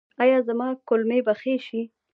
ایا زما کولمې به ښې شي؟